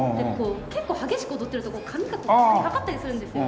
結構激しく踊ってると髪が顔にかかったりするんですよ。